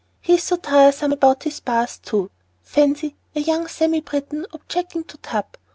He is so tiresome about his bath too. Fancy a young semi Britain objecting to 'tub.'